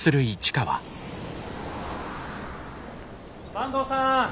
坂東さん！